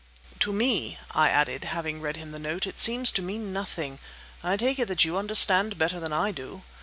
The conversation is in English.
"To me," I added, having read him the note, "it seems to mean nothing. I take it that you understand better than I do."